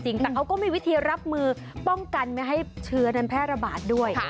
แต่เขาก็มีวิธีรับมือป้องกันไม่ให้เชื้อนั้นแพร่ระบาดด้วย